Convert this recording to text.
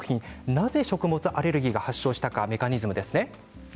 なぜ食物アレルギーが発症したのかメカニズムですね